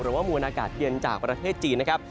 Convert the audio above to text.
มวลอากาศเย็นจากประเทศจีนนะครับ